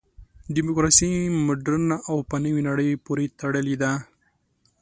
دیموکراسي مډرنه او په نوې نړۍ پورې تړلې ده.